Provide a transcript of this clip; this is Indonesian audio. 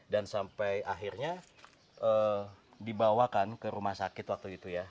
dan sampai akhirnya dibawakan ke rumah sakit waktu itu ya